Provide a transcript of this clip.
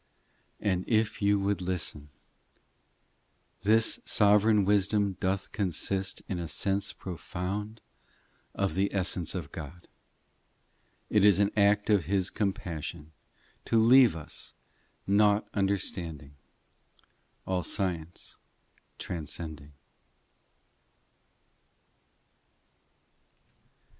VIII And if you would listen ; This sovereign wisdom doth consist In a sense profound Of the essence of God : It is an act of His compassion, To leave us, nought understanding, All science transcending.